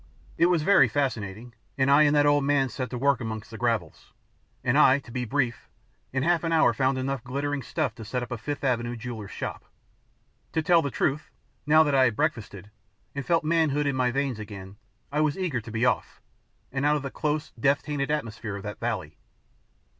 It was very fascinating, and I and that old man set to work amongst the gravels, and, to be brief, in half an hour found enough glittering stuff to set up a Fifth Avenue jeweller's shop. But to tell the truth, now that I had breakfasted, and felt manhood in my veins again, I was eager to be off, and out of the close, death tainted atmosphere of that valley.